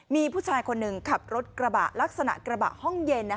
มีผู้ชายคนหนึ่งขับรถกระบะลักษณะกระบะห้องเย็น